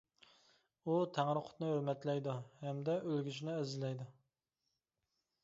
ئۇ تەڭرىقۇتنى ھۆرمەتلەيدۇ ھەمدە ئۆلگۈچىنى ئەزىزلەيدۇ.